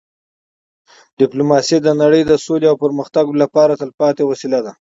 ډيپلوماسي د نړی د سولې او پرمختګ لپاره تلپاتې وسیله ده.